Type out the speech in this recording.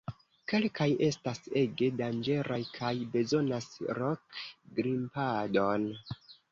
Kelkaj estas ege danĝeraj kaj bezonas rok-grimpadon.